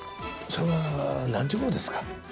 それは何時頃ですか？